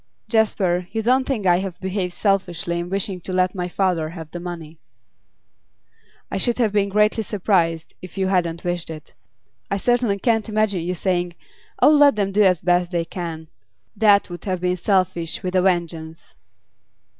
'Jasper, you don't think that I have behaved selfishly in wishing to let my father have the money?' 'I should have been greatly surprised if you hadn't wished it. I certainly can't imagine you saying: "Oh, let them do as best they can!" That would have been selfish with a vengeance.